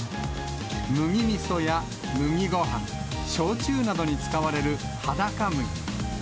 麦みそや麦ごはん、焼酎などに使われるはだか麦。